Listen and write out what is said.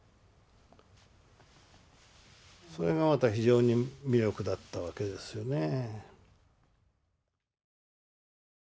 それがまた非常に魅力だったわけですよね。